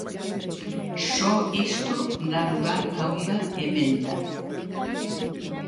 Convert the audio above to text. Só isto dá lugar a unha emenda.